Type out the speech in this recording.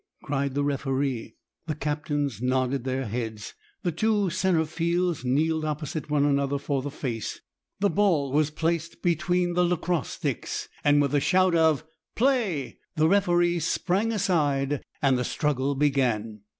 cried the referee. The captains nodded their heads, the two centre fields kneeled opposite one another for the face, the ball was placed between the lacrosse sticks, and with a shout of "Play" the referee sprang aside, and the struggle began.